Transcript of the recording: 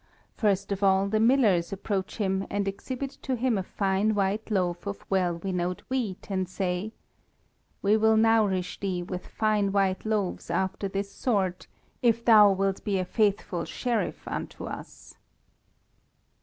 First of all the millers approach him and exhibit to him a fine white loaf of well winnowed wheat, and say "We will nourish thee with fine white loaves after this sort, if thou wilt be a faithful Sheriff unto us."